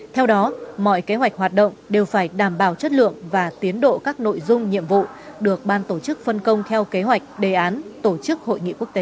theo đó mọi kế hoạch hoạt động đều phải đảm bảo chất lượng và tiến độ các nội dung nhiệm vụ được ban tổ chức phân công theo kế hoạch đề án tổ chức hội nghị quốc tế